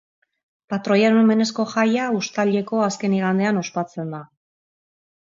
Patroiaren omenezko jaia uztaileko azken igandean ospatzen da.